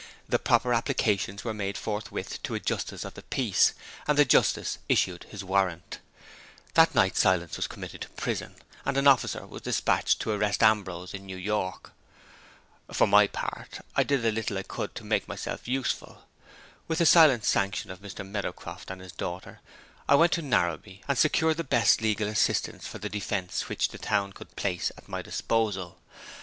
The proper applications were made forthwith to a justice of the peace, and the justice issued his warrant. That night Silas was committed to prison; and an officer was dispatched to arrest Ambrose in New York. For my part, I did the little I could to make myself useful. With the silent sanction of Mr. Meadowcroft and his daughter, I went to Narrabee, and secured the best legal assistance for the defense which the town could place at my disposal.